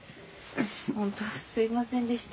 本当すいませんでした。